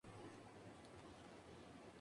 Se encuentra a unas dos millas náuticas de Tarawa.